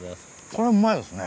これはうまいですね！